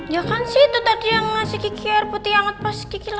ya kan sih itu tadi yang ngasih kiki air putih anget pas kiki lagi di kantin